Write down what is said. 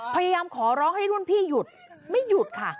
พยายามขอร้องให้รุ่นพี่หยุดไม่หยุดค่ะ